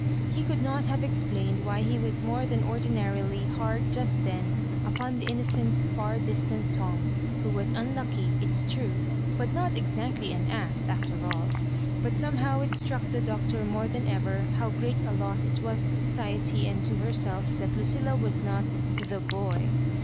He could not have explained why he was more than ordinarily hard just then upon the inno cent, far distant Tom, who was unlucky, it is true, but not exactly an ass, after aU. But somehow it struck the Doctor more than ever how great a loss it was to society and to herself that Lucffla was not " the boy."